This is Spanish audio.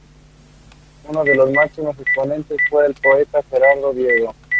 Uno de sus máximos exponentes fue el poeta Gerardo Diego.